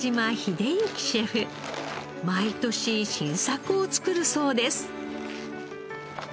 毎年新作を作るそうです。